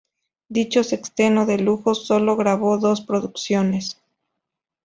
Dicho sexteto de lujos sólo grabó dos producciones.